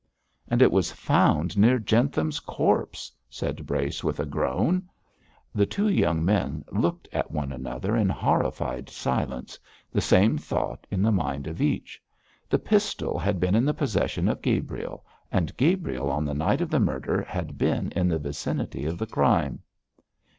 'And it was found near Jentham's corpse,' said Brace, with a groan. The two young men looked at one another in horrified silence, the same thoughts in the mind of each. The pistol had been in the possession of Gabriel; and Gabriel on the night of the murder had been in the vicinity of the crime.